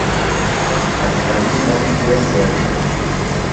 اسلمی رنگ کے زیڑ دےۡ؟